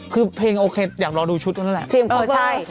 คือเพลงโอเคอยากรอดูชุดเท่านั้นแหละ